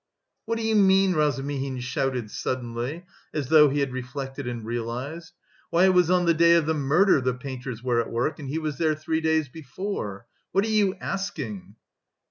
"What do you mean?" Razumihin shouted suddenly, as though he had reflected and realised. "Why, it was on the day of the murder the painters were at work, and he was there three days before? What are you asking?"